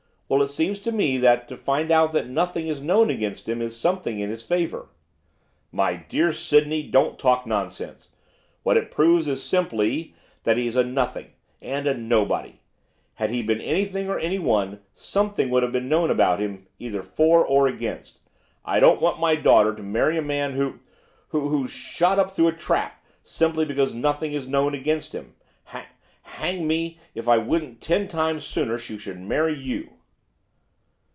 Well, it seems to me that to find out that nothing is known against him is something in his favour!' 'My dear Sydney, don't talk nonsense. What it proves is simply, that he's a nothing and a nobody. Had he been anything or anyone, something would have been known about him, either for or against. I don't want my daughter to marry a man who who who's shot up through a trap, simply because nothing is known against him. Ha hang me, if I wouldn't ten times sooner she should marry you.